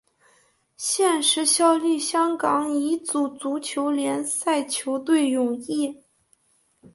现时效力香港乙组足球联赛球队永义。